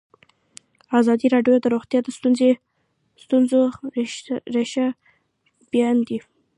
ازادي راډیو د روغتیا د ستونزو رېښه بیان کړې.